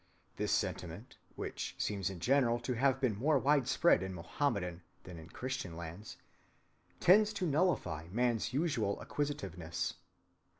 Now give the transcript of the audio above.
This sentiment (which seems in general to have been more widespread in Mohammedan than in Christian lands) tends to nullify man's usual acquisitiveness.